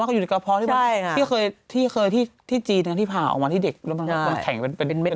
มันอยู่ในกระพ้ที่เคยที่จีนที่ผ่าออกมาที่เด็กมันแข่งเป็นเม็ด